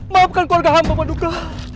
maafkan keluarga hamba paduka